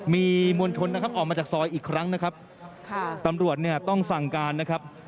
มีมวลชนนะครับออกมาจากซอยอีกครั้งนะครับค่ะตำรวจเนี่ยต้องสั่งการนะครับ